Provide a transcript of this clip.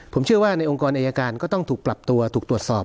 ผมเชื่อว่าในองค์กรอายการก็ต้องถูกปรับตัวถูกตรวจสอบ